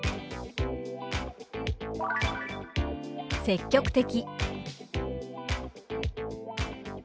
「積極的」。